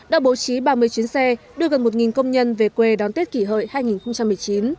đã bố trí ba mươi chuyến xe đưa gần một công nhân về quê đón tết kỷ hợi hai nghìn một mươi chín